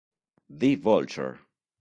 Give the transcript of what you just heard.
The Vulture